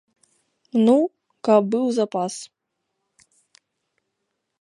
Ну, каб быў запас.